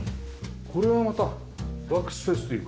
これはまたワークスペースというか。